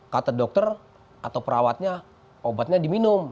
kata dokter atau perawatnya obatnya diminum